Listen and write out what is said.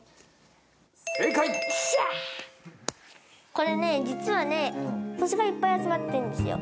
これね、実はね、星がいっぱい集まってるんですよ。